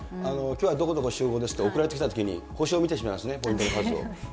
きょうはどこどこ集合ですって送られてきたときに星を見てしまいますね、ポイントの数を。